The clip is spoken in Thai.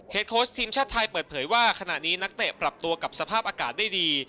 โค้ชทีมชาติไทยเปิดเผยว่าขณะนี้นักเตะปรับตัวกับสภาพอากาศได้ดี